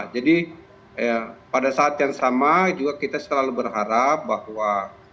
jadi pada saat yang sama juga kita selalu berharap bahwa